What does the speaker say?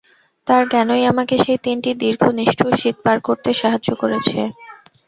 তার জ্ঞানই আমাকে সেই তিনটি দীর্ঘ, নিষ্ঠুর শীত পার করতে সাহায্য করেছে।